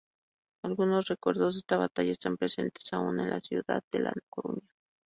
Algunos recuerdos de esta batalla están presentes aún en la ciudad de La Coruña.